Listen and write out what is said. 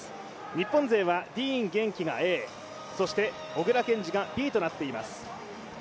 日本勢はディーン元気がＡ、そして小椋健司がＢとなっています。